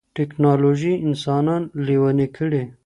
ټيکنالوژي انسانان لېوني کړي.